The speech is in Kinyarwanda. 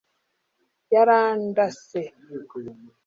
yarandase